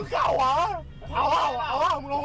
คุณเข้าหรอ